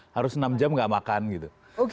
harus enam jam gak makan gitu